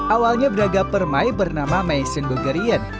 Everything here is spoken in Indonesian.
awalnya braga permai bernama maisen bogerian